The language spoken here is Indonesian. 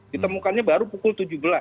ditemukannya baru pukul tujuh belas